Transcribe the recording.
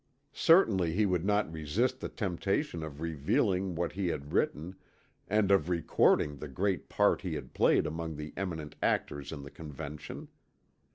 Certainly he could not resist the temptation of revealing what he had written and of recording the great part he had played among the eminent actors in the Convention.